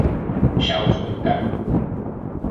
Xa o escoitaron.